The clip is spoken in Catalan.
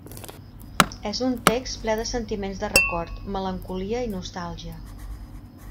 És un text ple de sentiments de record, melancolia i nostàlgia.